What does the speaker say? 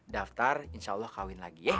daftar insya allah kawin lagi